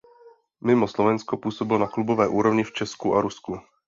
Mimo Slovensko působil na klubové úrovni v Česku a Rusku.